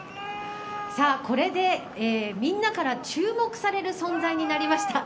これでみんなから注目される存在になりました。